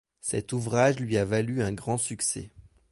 Cet ouvrage lui a valu un grand succès.